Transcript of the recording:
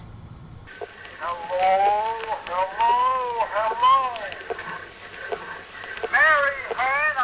xin chào xin chào xin chào